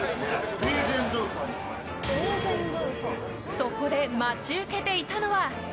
そこで待ち受けていたのは。